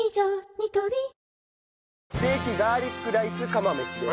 ニトリステーキガーリックライス釜飯です。